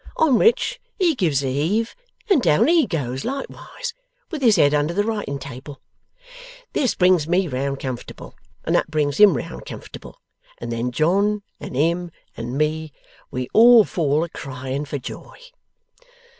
On which he gives a heave, and down he goes likewise, with his head under the writing table. This brings me round comfortable, and that brings him round comfortable, and then John and him and me we all fall a crying for joy.